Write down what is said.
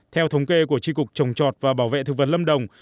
theo thống kê của tri cục trồng chọt và bảo vệ thực vật lâm đồng